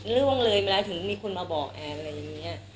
เรื่องเลยเมื่อไหร่ถึงมีคนมาบอกอะไรอย่างนี้